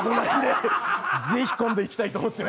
ぜひ今度行きたいと思ってます。